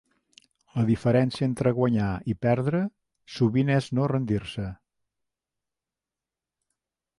La diferència entre guanyar i perdre, sovint és no rendir-se.